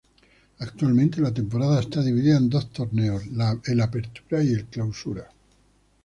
Actualmente la temporada está dividida en dos torneos, el "Apertura" y el "Clausura".